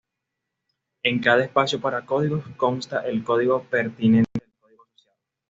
En cada espacio para códigos consta el código pertinente del código asociado.